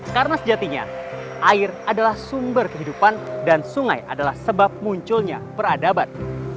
karena sejatinya air adalah sumber kehidupan dan sungai adalah sebab munculnya peradaban